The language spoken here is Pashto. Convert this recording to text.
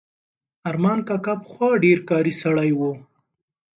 ارمان کاکا پخوا ډېر کاري سړی و.